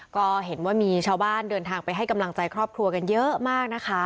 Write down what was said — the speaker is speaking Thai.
ก็เห็นว่ามีชาวบ้านเดินทางไปให้กำลังใจครอบครัวกันเยอะมากนะคะ